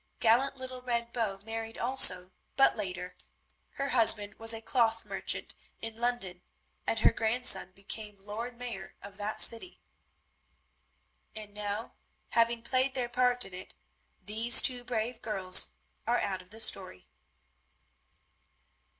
Gallant little Red Bow married also, but later. Her husband was a cloth merchant in London, and her grandson became Lord Mayor of that city. And now, having played their part in it, these two brave girls are out of the story.